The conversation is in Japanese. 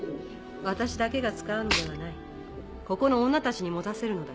私だけが使うのではないここの女たちに持たせるのだ。